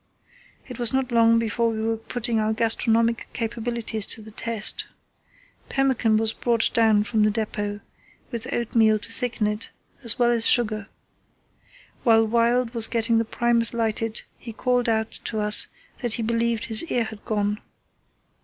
It was not long before we were putting our gastronomic capabilities to the test. Pemmican was brought down from the depot, with oatmeal to thicken it, as well as sugar. While Wild was getting the Primus lighted he called out to us that he believed his ear had gone.